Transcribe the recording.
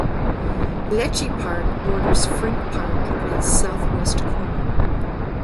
Leschi Park borders Frink Park in its southwest corner.